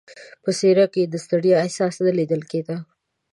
په څېره کې یې د ستړیا احساس نه لیدل کېده.